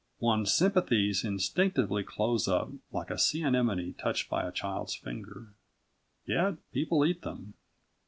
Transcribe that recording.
One's sympathies instinctively close up like a sea anemone touched by a child's finger. Yet people eat them.